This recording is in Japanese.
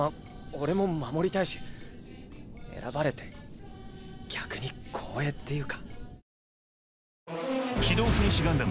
俺も守りたいし選ばれて逆に光栄っていうか。